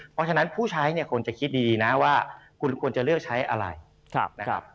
เพราะฉะนั้นผู้ใช้ควรจะคิดดีว่าคุณควรจะเลือกใช้อะไร